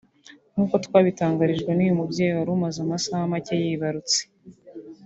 nk'uko twabitangarijwe n'uyu mubyeyi wari umaze amasaha make yibarutse